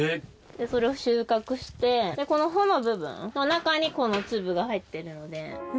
それを収穫してこの穂の部分の中にこの粒が入ってるので。